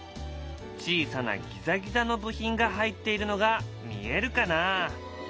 小さなギザギザの部品が入っているのが見えるかな？